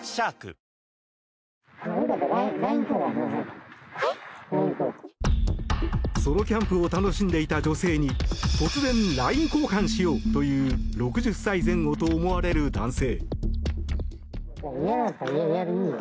「エリエール」マスクもソロキャンプを楽しんでいた女性に突然ＬＩＮＥ交換しようという６０歳前後と思われる男性。